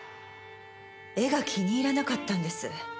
絵が気に入らなかったんです。